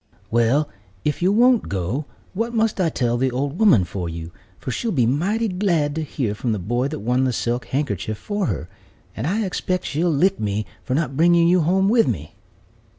"Well, if you won't go, what must I tell the old woman for you, for she'll be mighty glad to hear from the boy that won the silk handkerchief for her, and I expect she'll lick me for not bringing you home with me."